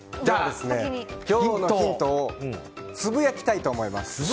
今日のヒントをつぶやきたいと思います。